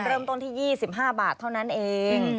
เริ่มต้นที่๒๕บาทเท่านั้นเอง